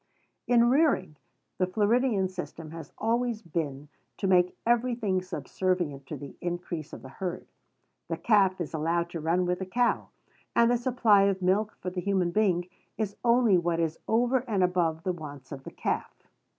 In rearing, the Floridian system has always been to make every thing subservient to the increase of the herd. The calf is allowed to run with the cow; and the supply of milk for the human being is only what is over and above the wants of the calf.